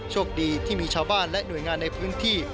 โชคดีที่มีชาวบ้านและหน่วยงานในพื้นที่